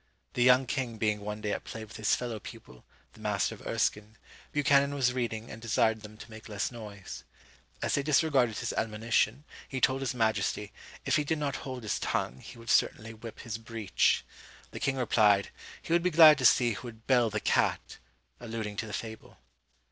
The young king being one day at play with his fellow pupil, the master of Erskine, Buchanan was reading, and desired them to make less noise. As they disregarded his admonition, he told his majesty, if he did not hold his tongue, he would certainly whip his breech. The king replied, he would be glad to see who would bell the cat, alluding to the fable.